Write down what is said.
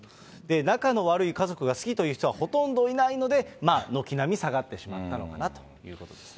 仲の悪い家族が好きという人はほとんどいないので、軒並み下がってしまったのかなということですね。